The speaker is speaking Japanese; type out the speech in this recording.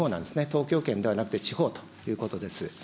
東京圏ではなくて地方ということです。